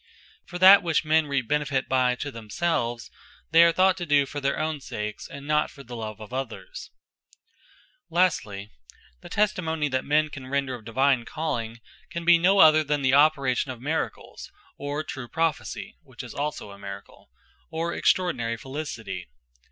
For that which men reap benefit by to themselves, they are thought to do for their own sakes, and not for love of others Want Of The Testimony Of Miracles Lastly, the testimony that men can render of divine Calling, can be no other, than the operation of Miracles; or true Prophecy, (which also is a Miracle;) or extraordinary Felicity.